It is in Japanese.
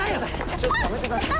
ちょっとやめてください！